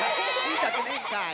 みたくねえんかい！